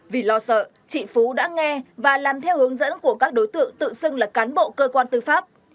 vì lo sợ chị phú đã nghe và làm theo hướng dẫn của các đối tượng tự xưng là cán bộ cơ quan tư pháp